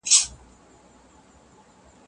که خلګ يو بل ته مرسته وکړي، ستونزي کمېږي.